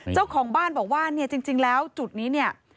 เจ้าของบ้านบอกว่าเนี่ยจริงแล้วจุดนี้เนี่ย